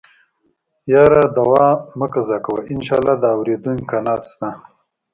يره دوا مه قضا کوه انشاالله د اورېدو امکانات شته.